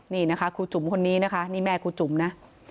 นี่นะคะครูจุ๋มคนนี้นะคะนี่แม่ครูจุ๋มนะ